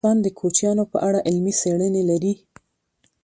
افغانستان د کوچیانو په اړه علمي څېړنې لري.